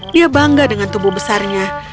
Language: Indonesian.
dia bangga dengan tubuh besarnya